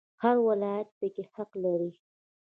هر ولایت پکې حق لري